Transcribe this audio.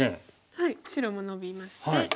はい白もノビまして。